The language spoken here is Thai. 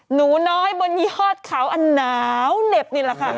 หนูน้อยบนยี่ห้อเขาอันหนาวเหน็บนี่แหละค่ะ